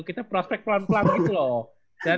kita prospek pelan pelan itu loh